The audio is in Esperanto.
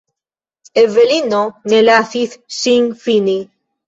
Evelino ne lasis ŝin fini.